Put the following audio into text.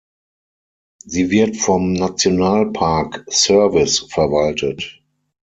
Sie wird vom National Park Service verwaltet.